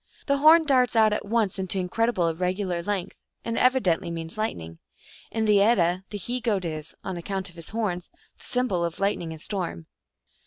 The horn darts out at once into incredible, irregular length, and evidently means lightning. In the Edda the he goat is, on account of his horns, the symbol of lightning and storm.